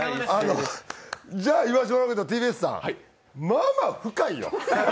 じゃあ言わせてもらうけどＴＢＳさんまあまあ深いよ。